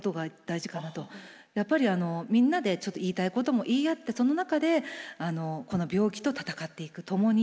やっぱりみんなでちょっと言いたいことも言い合ってその中でこの病気と闘っていく共に。